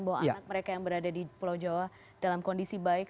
bahwa anak mereka yang berada di pulau jawa dalam kondisi baik